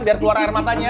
biar keluar air matanya